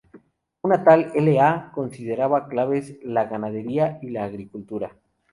Un tal L. A. consideraba claves la ganadería y la agricultura.